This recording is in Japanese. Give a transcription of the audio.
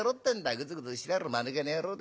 グズグズしてやがるまぬけな野郎だ。